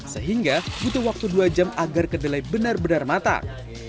sehingga butuh waktu dua jam agar kedelai benar benar matang